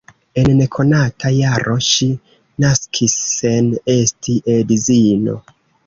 En nekonata jaro ŝi naskis sen esti edzino.